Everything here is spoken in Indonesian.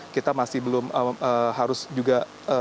kita masih belum harus juga